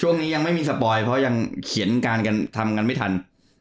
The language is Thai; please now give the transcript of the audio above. ช่วงนี้ยังไม่มีสปอยเพราะยังเขียนการกันทำกันไม่ทัน